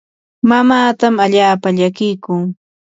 mamaatam allaapa llakiyku.